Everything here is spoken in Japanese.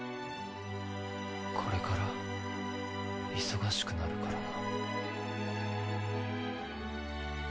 これから忙しくなるからな。